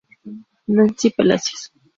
Nancy Palacios.